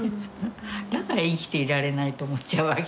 だから生きていられないと思っちゃうわけ。